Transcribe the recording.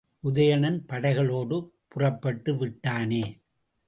உதயணன் படைகளோடு புறப்பட்டு விட்டானே!